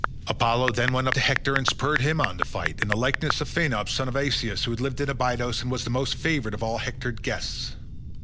Apollo then went up to Hector and spurred him on to fight, in the likeness of Phaenops son of Asius who lived in Abydos and was the most favoured of all Hector's guests.